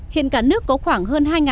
hiện cả nước có khoảng hơn hai bốn trăm linh